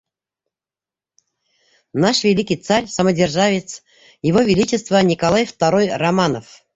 — Наш великий царь самодержавец его величество Николай второй Романов.